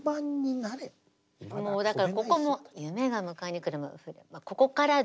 もうだからここも「夢が迎えに来てくれるまで」